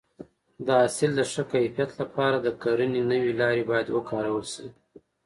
د حاصل د ښه کیفیت لپاره د کرنې نوې لارې باید وکارول شي.